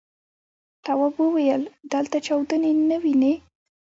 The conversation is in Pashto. تواب وويل: دلته چاودنې نه وینې.